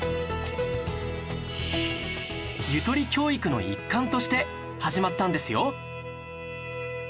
ゆとり教育の一環として始まったんですよ